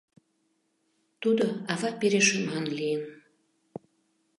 Тудо ава пире шӱман лийын.